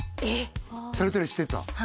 されたりしてた？